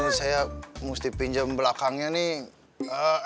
terus saya mesti pinjam belakangnya nih